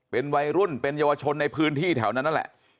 เป็นวัยรุ่นเป็นเยาวชนในพื้นที่แถวนั้นนั่นแหละ